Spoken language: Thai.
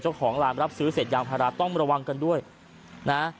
เจ้าของร้านรับซื้อเศษยางพาราต้องระวังกันด้วยนะ